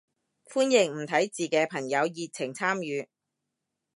歡迎唔睇字嘅朋友熱情參與